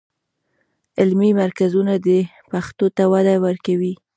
علمي مرکزونه دې پښتو ته وده ورکړي.